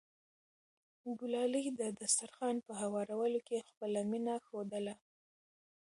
ګلالۍ د دسترخوان په هوارولو کې خپله مینه ښودله.